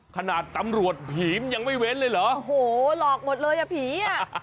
ขนาดตำรวจผีมันยังไม่เว้นเลยเหรอโอ้โหหลอกหมดเลยอ่ะผีอ่ะ